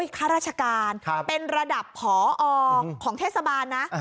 ข้าราชการเป็นระดับผอของเทศบาลนะ